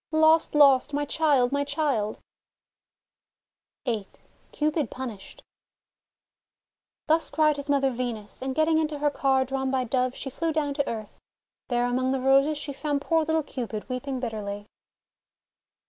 "Lost! Lost! My child! My child!" vm CUPID PUNISHED THUS cried his mother Venus, and getting into her car drawn by Doves, she flew down to earth. There among the Roses she found poor little Cupid, weeping bitterly.